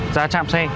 ra trạm xe